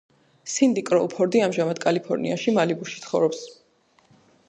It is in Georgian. სინდი კროუფორდი ამჟამად კალიფორნიაში, მალიბუში ცხოვრობს.